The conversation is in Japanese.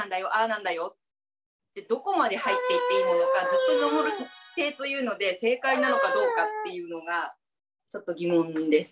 なんだよってどこまで入っていっていいものかずっと見守る姿勢というので正解なのかどうかっていうのがちょっと疑問です。